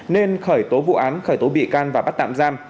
nên khởi tố vụ án khởi tố bị can và bắt tạm giam